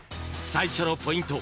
最初のポイント